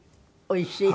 おいしい？